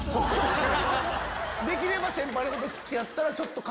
できれば先輩のこと好きやったら。